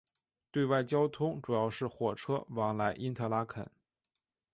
对外交通主要是火车往来因特拉肯。